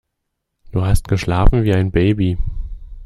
Du hast geschlafen wie ein Baby.